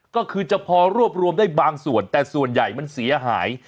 ก็คือจะพอรวบรวมได้บางส่วนแต่ส่วนใหญ่มันเสียหาย